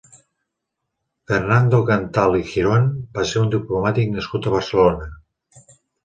Fernando Canthal i Girón va ser un diplomàtic nascut a Barcelona.